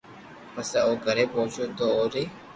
پسي او گھري پوچيو تو اوري